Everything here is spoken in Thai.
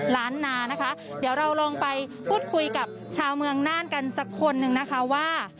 ล้านนานะคะเดี๋ยวเราลองไปพูดคุยกับชาวเมืองน่านกันสักคนนึงนะคะว่า